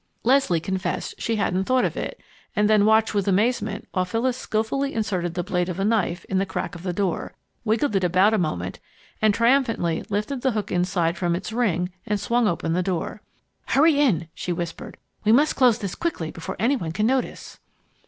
Leslie confessed she hadn't thought of it, and then watched with amazement while Phyllis skilfully inserted the blade of a knife in the crack of the door, wiggled it about a moment, and triumphantly lifted the hook inside from its ring and swung open the door. "Hurry in!" she whispered. "We must close this quickly before any one can notice."